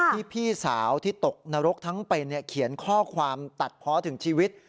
พี่สาวที่ตกนรกทั้งเป็นเขียนข้อความตัดเพาะถึงชีวิต